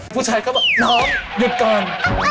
ผู้ชายก็บอกน้องหยุดก่อน